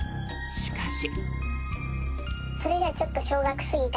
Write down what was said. しかし。